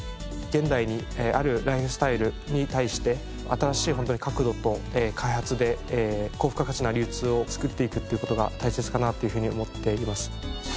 現代にあるライフスタイルに対して新しい本当に角度と開発で高付加価値な流通を作っていくっていう事が大切かなというふうに思っています。